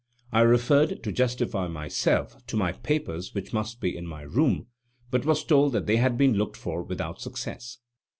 I referred, to justify myself, to my papers which must be in my room, but was told they had been looked for without success.